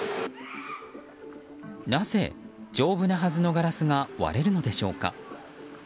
なぜ丈夫なはずのガラスが割れるのでしょうか。